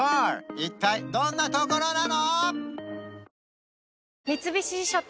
一体どんなところなの？